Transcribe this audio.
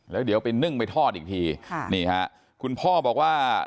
แล้วเดี๋ยวไปนึ่งไปทอดอีกทีค่ะนี่ฮะคุณพ่อบอกว่า